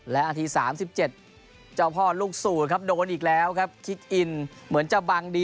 และนาที๓๗เจ้าพ่อลูกสูตรครับโดนอีกแล้วครับคิกอินเหมือนจะบังดี